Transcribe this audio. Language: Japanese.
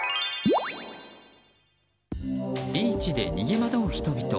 ビーチで逃げ惑う人々。